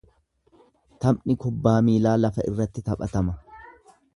Taphni kubbaa miilaa lafa irratti taphatama.